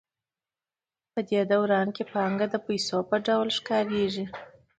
په دې دوران کې پانګه د پیسو په ډول ښکارېږي